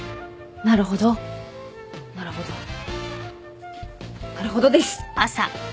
なるほどなるほどなるほどです。